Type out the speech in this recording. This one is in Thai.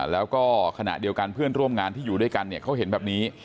แล้วก็ขณะเดียวกันเพื่อนร่วมงานที่อยู่ด้วยกันเนี่ยเขาเห็นแบบนี้